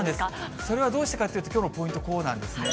それはどうしてかというと、きょうのポイントこうなんですね。